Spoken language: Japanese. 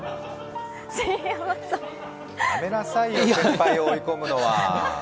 やめなさいよ、先輩を追い込むのは。